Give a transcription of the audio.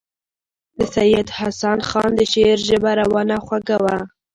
د سید حسن خان د شعر ژبه روانه او خوږه وه.